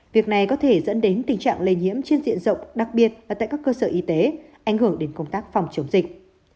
việc này có thể dẫn đến tình trạng lây nhiễm trên diện rộng đặc biệt là tại các cơ sở y tế ảnh hưởng đến công tác phòng chống dịch